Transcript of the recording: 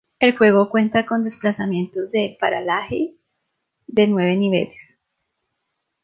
El juego cuenta con desplazamiento de paralaje de nueve niveles.